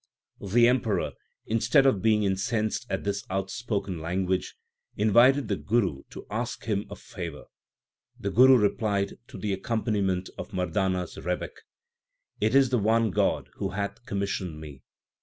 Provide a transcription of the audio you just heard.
The Emperor, instead of being incensed at this outspoken language, invited the Guru to ask him 122 THE SIKH RELIGION a favour. The Guru replied to the accompaniment of Mardana s rebeck : It is the one God Who hath commissioned me.